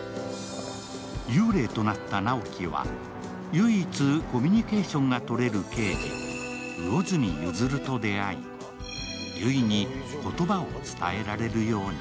幽霊となった直木は、唯一、コミュニケーションがとれる刑事魚住譲と出会い悠依に言葉を伝えられるように。